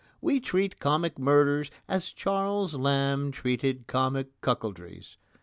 We treat comic murders as Charles Lamb treated comic cuckoldries.